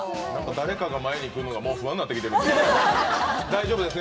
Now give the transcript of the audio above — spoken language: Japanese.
誰かが前に行くのがもう不安になってきてる。